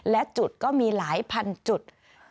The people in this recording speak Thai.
และจุดก็มีหลายพันจุด